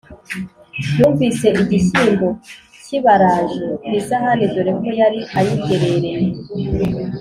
yumvise igishyimbo kibaraje ku isahani dore ko yari ayigerereye!